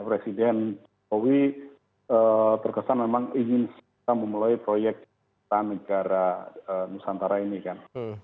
presiden jokowi terkesan memang ingin kita memulai proyek negara nusantara ini kan